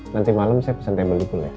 nanti malam saya pesan table di pulai